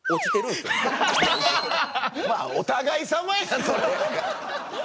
まあお互いさまやんそれ。